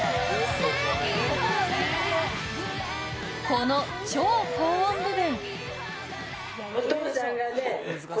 この超高音部分！